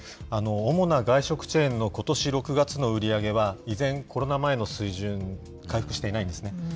主な外食チェーンのことし６月の売り上げは、依然、コロナ前の水準に回復していないんですね。